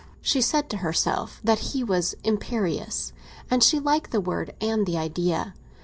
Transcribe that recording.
She said to herself that he was "imperious," and she liked the word and the idea.